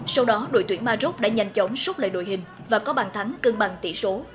sau đó đội tuyển maroc đã nhanh chóng xúc lại đội hình và có bàn thắng cân bằng tỷ số